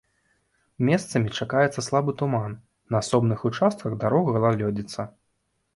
Месцамі чакаецца слабы туман, на асобных участках дарог галалёдзіца.